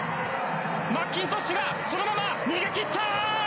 マッキントッシュがそのまま逃げきった！